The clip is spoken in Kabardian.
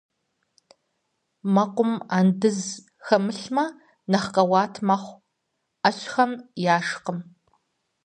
Мэкъум андзыш хэмылъмэ нэхъ къэуат мэхъу, ӏэщхэм яшхкъым.